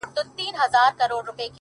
جرس فرهاد زما نژدې ملگرى’